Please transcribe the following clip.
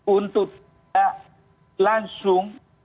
untuk tidak langsung